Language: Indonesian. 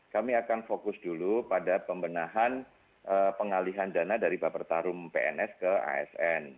kami akan fokus dulu pada pembenahan pengalihan dana dari bapak tarum pns ke asn